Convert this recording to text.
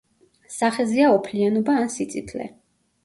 სახეზეა ოფლიანობა ან სიწითლე.